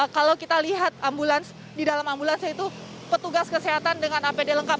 kalau kita lihat ambulans di dalam ambulans itu petugas kesehatan dengan apd lengkap